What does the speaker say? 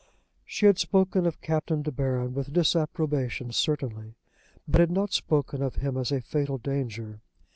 She had spoken of Captain De Baron with disapprobation certainly, but had not spoken of him as a fatal danger.